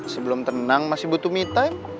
sebelum tenang masih butuh me time